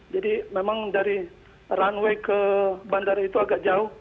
jadi memang dari runway ke bandara itu agak jauh